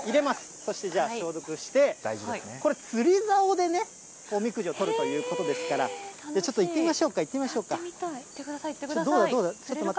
そしてじゃあ、消毒して、これ、釣りざおで、おみくじを取るということですから、ちょっといってみましょうか、いってみましょうか。